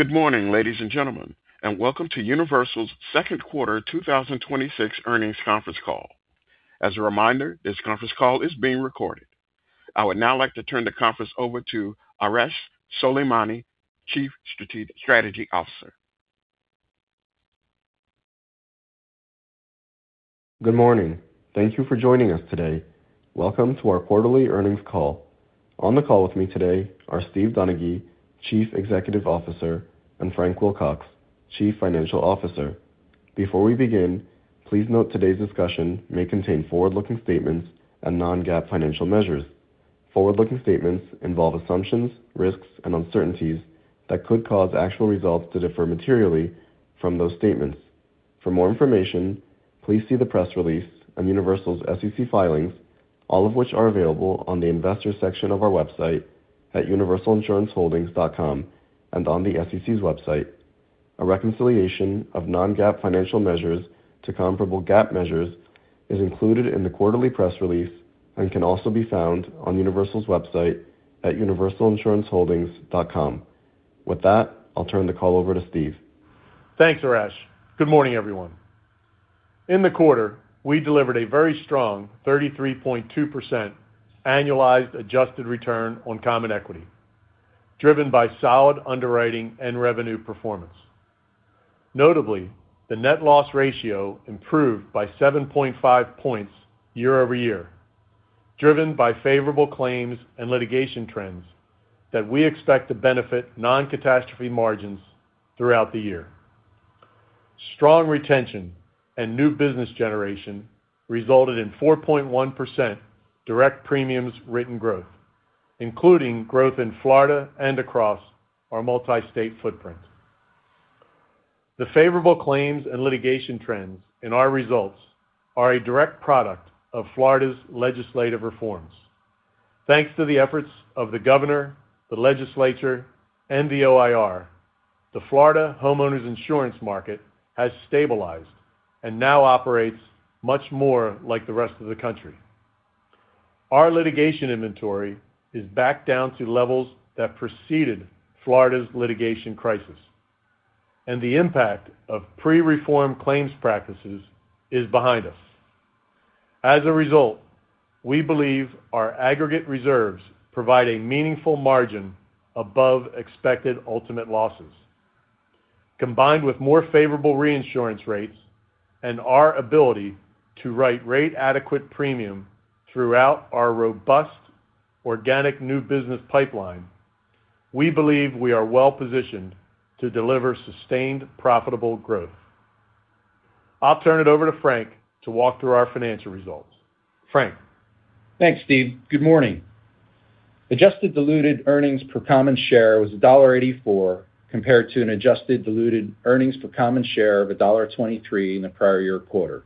Good morning, ladies and gentlemen, and welcome to Universal's second quarter 2026 earnings conference call. As a reminder, this conference call is being recorded. I would now like to turn the conference over to Arash Soleimani, Chief Strategy Officer. Good morning. Thank you for joining us today. Welcome to our quarterly earnings call. On the call with me today are Steve Donaghy, Chief Executive Officer, and Frank Wilcox, Chief Financial Officer. Before we begin, please note today's discussion may contain forward-looking statements and non-GAAP financial measures. Forward-looking statements involve assumptions, risks and uncertainties that could cause actual results to differ materially from those statements. For more information, please see the press release and Universal's SEC filings, all of which are available on the investor section of our website at universalinsuranceholdings.com and on the SEC's website. A reconciliation of non-GAAP financial measures to comparable GAAP measures is included in the quarterly press release and can also be found on Universal's website at universalinsuranceholdings.com. With that, I'll turn the call over to Steve. Thanks, Arash. Good morning, everyone. In the quarter, we delivered a very strong 33.2% annualized adjusted return on common equity, driven by solid underwriting and revenue performance. Notably, the net loss ratio improved by 7.5 points year-over-year, driven by favorable claims and litigation trends that we expect to benefit non-catastrophe margins throughout the year. Strong retention and new business generation resulted in 4.1% direct premiums written growth, including growth in Florida and across our multi-state footprint. The favorable claims and litigation trends in our results are a direct product of Florida's legislative reforms. Thanks to the efforts of the governor, the legislature, and the OIR, the Florida homeowners insurance market has stabilized and now operates much more like the rest of the country. Our litigation inventory is back down to levels that preceded Florida's litigation crisis, and the impact of pre-reform claims practices is behind us. As a result, we believe our aggregate reserves provide a meaningful margin above expected ultimate losses. Combined with more favorable reinsurance rates and our ability to write rate-adequate premium throughout our robust organic new business pipeline, we believe we are well-positioned to deliver sustained profitable growth. I'll turn it over to Frank to walk through our financial results. Frank. Thanks, Steve. Good morning. Adjusted diluted earnings per common share was $1.84 compared to an adjusted diluted earnings per common share of $1.23 in the prior year quarter.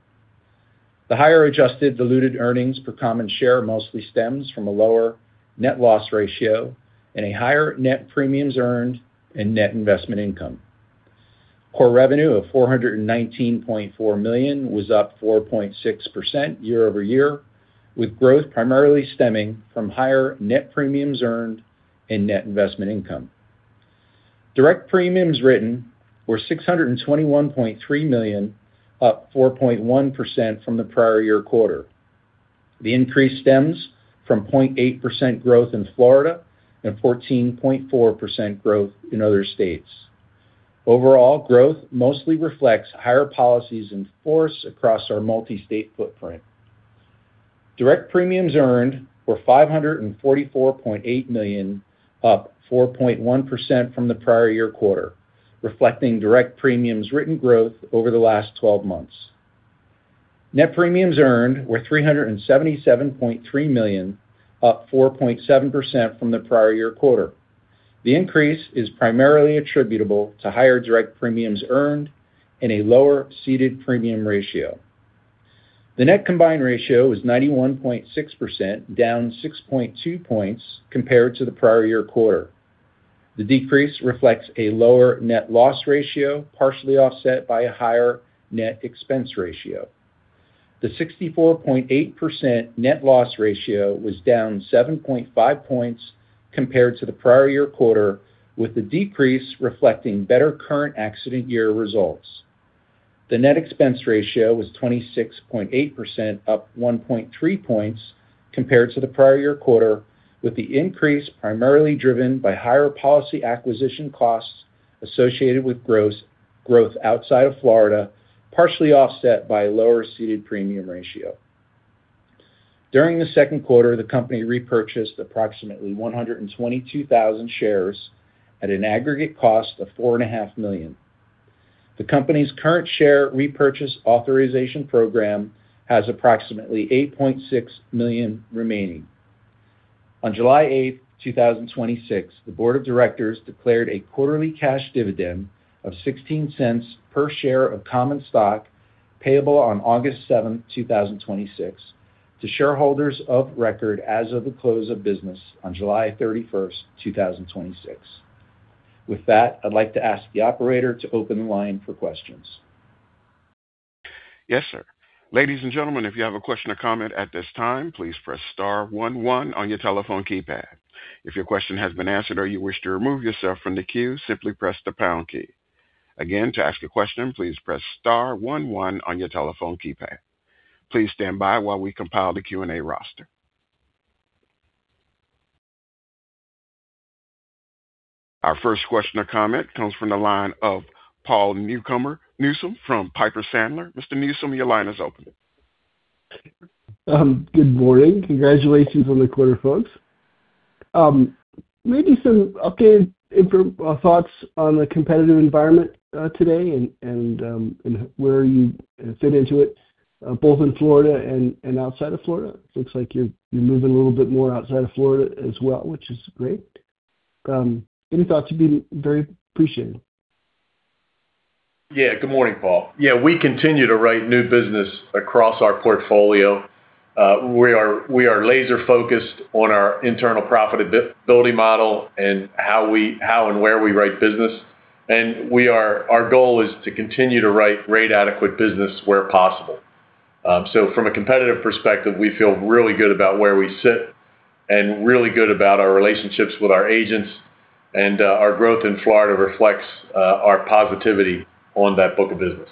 The higher adjusted diluted earnings per common share mostly stems from a lower net loss ratio and a higher net premiums earned and net investment income. Core revenue of $419.4 million was up 4.6% year-over-year, with growth primarily stemming from higher net premiums earned and net investment income. direct premiums written were $621.3 million, up 4.1% from the prior year quarter. The increase stems from 0.8% growth in Florida and 14.4% growth in other states. Overall, growth mostly reflects higher policies in force across our multi-state footprint. direct premiums earned were $544.8 million, up 4.1% from the prior year quarter, reflecting direct premiums written growth over the last 12 months. net premiums earned were $377.3 million, up 4.7% from the prior year quarter. The increase is primarily attributable to higher direct premiums earned and a lower ceded premium ratio. The net combined ratio was 91.6%, down 6.2 points compared to the prior year quarter. The decrease reflects a lower net loss ratio, partially offset by a higher net expense ratio. The 64.8% net loss ratio was down 7.5 points compared to the prior year quarter, with the decrease reflecting better current accident year results. The net expense ratio was 26.8%, up 1.3 points compared to the prior year quarter, with the increase primarily driven by higher policy acquisition costs associated with growth outside of Florida, partially offset by a lower ceded premium ratio. During the second quarter, the company repurchased approximately 122,000 shares at an aggregate cost of $4.5 million. The company's current share repurchase authorization program has approximately $8.6 million remaining. On July 8th, 2026, the board of directors declared a quarterly cash dividend of $0.16 per share of common stock payable on August 7th, 2026 to shareholders of record as of the close of business on July 31st, 2026. With that, I'd like to ask the operator to open the line for questions. Yes, sir. Ladies and gentlemen, if you have a question or comment at this time, please press star one one on your telephone keypad. If your question has been answered or you wish to remove yourself from the queue, simply press the pound key. Again, to ask a question, please press star one one on your telephone keypad. Please stand by while we compile the Q&A roster. Our first question or comment comes from the line of Paul Newsome from Piper Sandler. Mr. Newsome, your line is open. Good morning. Congratulations on the quarter, folks. Maybe some updated thoughts on the competitive environment today and where you fit into it, both in Florida and outside of Florida. Looks like you're moving a little bit more outside of Florida as well, which is great. Any thoughts would be very appreciated. Good morning, Paul. We continue to write new business across our portfolio. We are laser-focused on our internal profitability model and how and where we write business. Our goal is to continue to write rate-adequate business where possible. From a competitive perspective, we feel really good about where we sit and really good about our relationships with our agents. Our growth in Florida reflects our positivity on that book of business.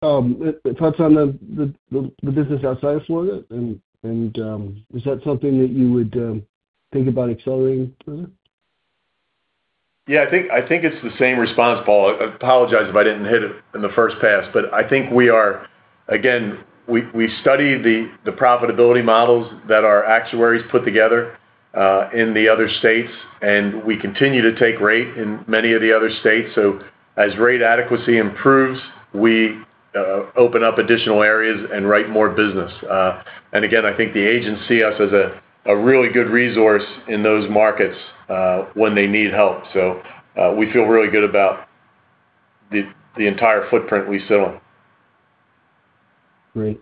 Thoughts on the business outside of Florida, and is that something that you would think about accelerating further? I think it's the same response, Paul. I apologize if I didn't hit it in the first pass. I think we are, again, we study the profitability models that our actuaries put together in the other states, and we continue to take rate in many of the other states. As rate adequacy improves, we open up additional areas and write more business. Again, I think the agents see us as a really good resource in those markets when they need help. We feel really good about the entire footprint we sit on. Great.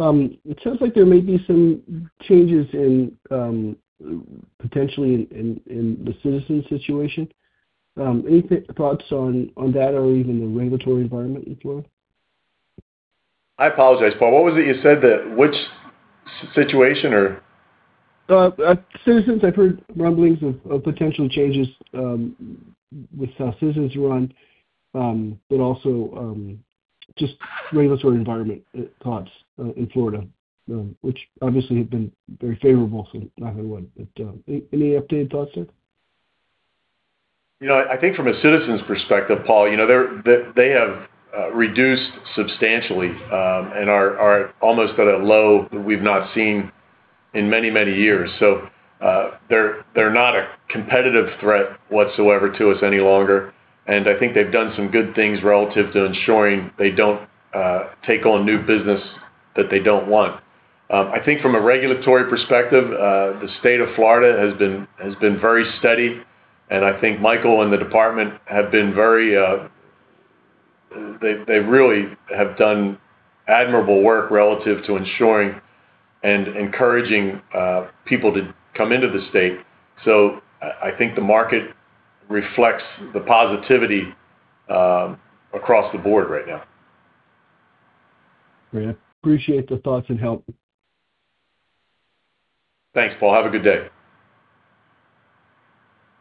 It sounds like there may be some changes potentially in the Citizens situation. Any thoughts on that or even the regulatory environment as well? I apologize, Paul, what was it you said that, which situation or? Citizens, I've heard rumblings of potential changes with how Citizens run. Also just regulatory environment thoughts in Florida, which obviously have been very favorable for everyone. Any updated thoughts there? I think from a Citizens perspective, Paul, they have reduced substantially and are almost at a low that we've not seen in many, many years. They're not a competitive threat whatsoever to us any longer, and I think they've done some good things relative to ensuring they don't take on new business that they don't want. I think from a regulatory perspective, the state of Florida has been very steady, and I think Michael and the department have been. They really have done admirable work relative to ensuring and encouraging people to come into the state. I think the market reflects the positivity across the board right now. Great. Appreciate the thoughts and help. Thanks, Paul. Have a good day.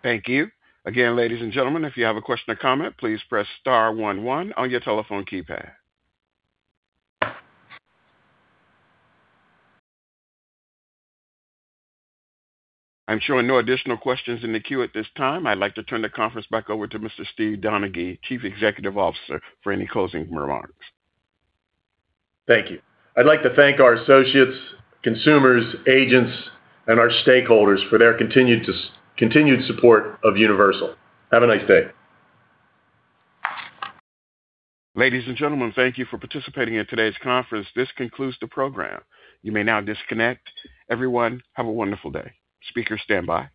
Thank you. Again, ladies and gentlemen, if you have a question or comment, please press star one one on your telephone keypad. I'm showing no additional questions in the queue at this time. I'd like to turn the conference back over to Mr. Steve Donaghy, Chief Executive Officer, for any closing remarks. Thank you. I'd like to thank our associates, consumers, agents, and our stakeholders for their continued support of Universal. Have a nice day. Ladies and gentlemen, thank you for participating in today's conference. This concludes the program. You may now disconnect. Everyone, have a wonderful day. Speakers stand by.